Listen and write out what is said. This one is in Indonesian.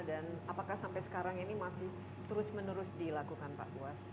dan apakah sampai sekarang ini masih terus menerus dilakukan pak buas